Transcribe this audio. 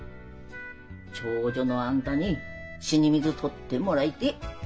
長女のあんたに死に水取ってもらいてえ。